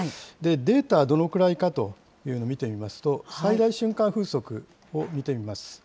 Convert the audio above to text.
データはどのくらいかというのを見てみますと、最大瞬間風速。